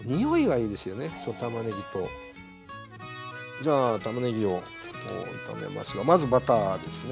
じゃあたまねぎを炒めますがまずバターですね。